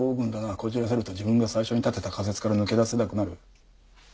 こじらせると自分が最初に立てた仮説から抜け出せなくなる。